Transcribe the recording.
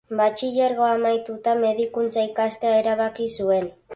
Batxilergoa amaituta, medikuntza ikastea erabaki zuen